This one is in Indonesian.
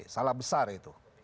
salah besar itu